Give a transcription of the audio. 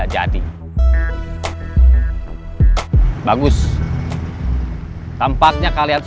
jangan sampai pake kan